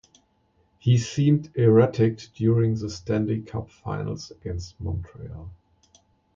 He seemed erratic during the Stanley Cup Finals against Montreal.